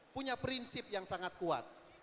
punya prinsip yang sangat kuat